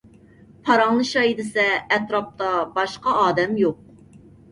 پاراڭلىشاي دېسە ئەتراپتا باشقا ئادەم يوق.